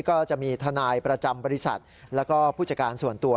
ก็จะมีทนายประจำบริษัทแล้วก็ผู้จัดการส่วนตัว